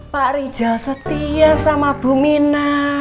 pak rijal setia sama bumina